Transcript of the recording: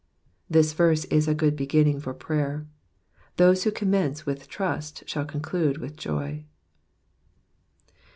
This verse is a good beginning for prayer ; those who commence with trust shall conclude with joy.